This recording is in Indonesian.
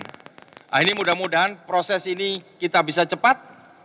nah ini mudah mudahan proses ini kita bisa cepat